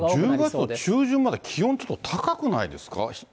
これ１０月の中旬まで気温ちょっと高くないですか？